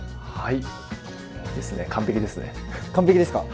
はい。